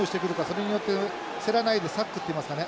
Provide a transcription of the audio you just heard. それによって競らないでサックっていいますかね。